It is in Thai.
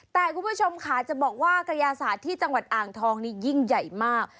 แต่คุณผู้ชมค่ะจะบอกว่ากระยาศาสตร์ที่จังหวัดอ่างทองนี้ยิ่งใหญ่มาก